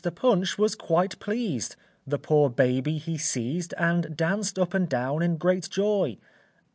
Punch was quite pleased; The poor baby he seized, And danced up and down in great joy.